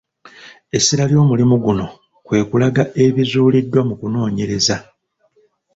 Essira ly'omulimu guno kwe kulanga ebizuuliddwa mu kunoonyereza.